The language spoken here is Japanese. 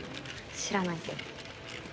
知らないけど。